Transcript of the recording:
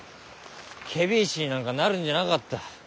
検非違使になんかなるんじゃなかった。